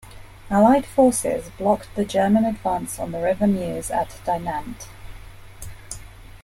Allied forces blocked the German advance on the river Meuse at Dinant.